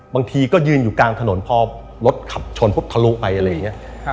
บางทีก็ยืนอยู่กลางถนนพอรถขับชนปุ๊บทะลุไปอะไรอย่างนี้